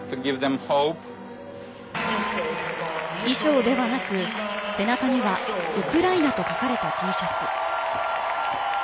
衣装ではなく背中にはウクライナと書かれたＴシャツ。